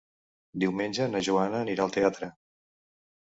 Diumenge na Joana anirà al teatre.